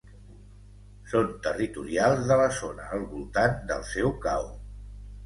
Són territorials de la zona al voltant del seu cau.